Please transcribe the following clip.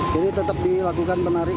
jadi tetap dilakukan penarik